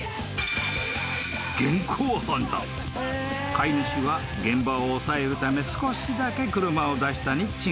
［飼い主は現場を押さえるため少しだけ車を出したに違いない］